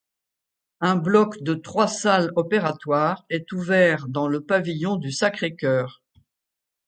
Un bloc de trois salles opératoires est ouvert dans le pavillon du Sacré-Cœur.